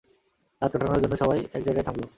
রাত কাটানোর জন্য সবাই একজায়গায় থামল।